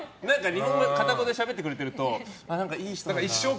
日本語を片言でしゃべってくれてるといい人だなって。